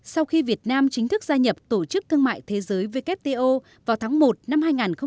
sau khi việt nam chính thức gia nhập tổ chức thương mại thế giới wto vào tháng một năm hai nghìn hai mươi